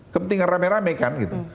kepentingan rame rame kan gitu